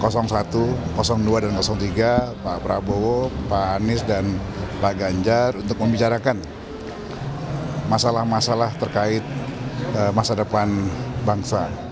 dua dan tiga pak prabowo pak anies dan pak ganjar untuk membicarakan masalah masalah terkait masa depan bangsa